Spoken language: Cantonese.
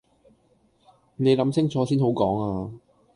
你諗清楚先好講呀